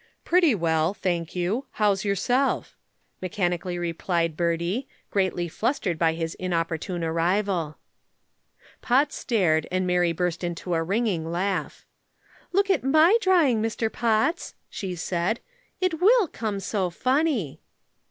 "Pretty well, thank you; how's yourself?" mechanically replied Bertie, greatly flustered by his inopportune arrival. Potts stared and Mary burst into a ringing laugh. "Look at my drawing, Mr. Potts," she said. "It will come so funny."